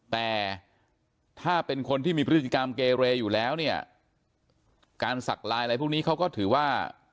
แต่ถ้าเป็นคนที่มีพฤติกรรมเกเรอยู่แล้วเนี่ยการสักลายอะไรพวกนี้เขาก็ถือว่า